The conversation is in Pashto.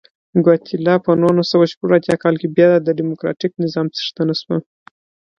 ګواتیلا په نولس سوه شپږ اتیا کال کې بیا ډیموکراتیک نظام څښتنه شوه.